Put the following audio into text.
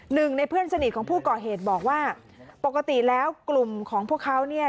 หนึ่งในเพื่อนสนิทของผู้ก่อเหตุบอกว่าปกติแล้วกลุ่มของพวกเขาเนี่ย